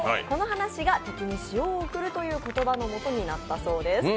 この話が「敵に塩を送る」という言葉のもとになったそうです。